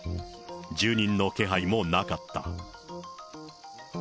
住人の気配もなかった。